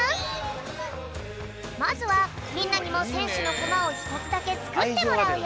まずはみんなにもせんしゅのコマをひとつだけつくってもらうよ。